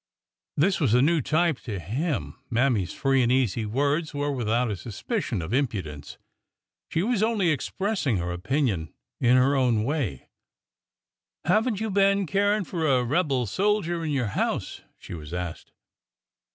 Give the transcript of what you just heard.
This was a new type to him. Mammy's free and easy words were without a suspicion of impudence. She was only expressing her opinion in her own way. Have n't you been caring for a rebel soldier in your house ?" she was asked.